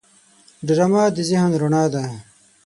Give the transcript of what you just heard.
ډرامه د ذهن رڼا ده